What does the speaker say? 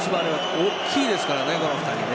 大きいですからね、この２人ね。